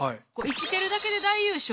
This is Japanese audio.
「生きてるだけで大優勝」。